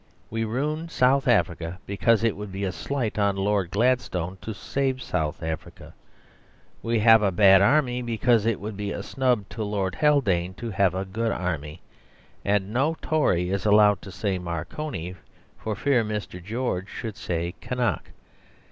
We ruin South Africa because it would be a slight on Lord Gladstone to save South Africa. We have a bad army, because it would be a snub to Lord Haldane to have a good army. And no Tory is allowed to say "Marconi" for fear Mr. George should say "Kynoch."